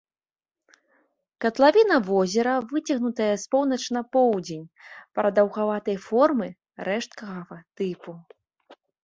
Катлавіна возера выцягнутая з поўначы на поўдзень, прадаўгаватай формы, рэшткавага тыпу.